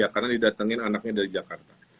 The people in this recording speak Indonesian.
karena didatengin anaknya dari jakarta